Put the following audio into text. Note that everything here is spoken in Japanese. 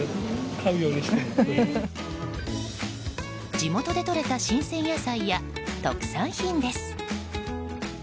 地元でとれた新鮮野菜や特産品です。